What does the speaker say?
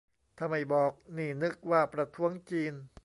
ถ้าไม่บอกนี่นึกว่าประท้วงจีน